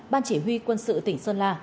ban chỉ huy quân sự tỉnh sơn la